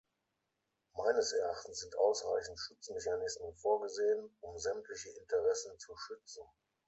Meines Erachtens sind ausreichend Schutzmechanismen vorgesehen, um sämtliche Interessen zu schützen.